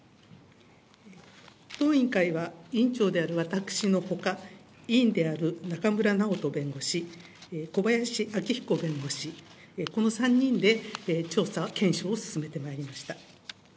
当委員会は委員長である私のほか、委員である中村直人弁護士、小林明彦弁護士、この３人で調査・検証を進めてまいりました。